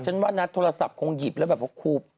ว่านะโทรศัพท์คงหยิบแล้วแบบว่าคูบ